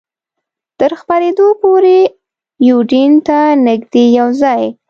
تر خپرېدو پورې یوډین ته نږدې یو ځای.